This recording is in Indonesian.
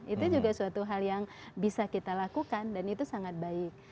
itu juga suatu hal yang bisa kita lakukan dan itu sangat baik